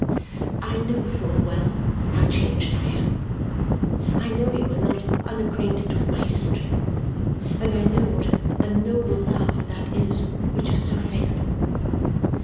I know full well how changed I am, I know you are not unacquainted with my history, and I know what a noble love that is which is so faithful.